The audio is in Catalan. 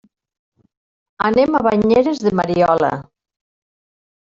Anem a Banyeres de Mariola.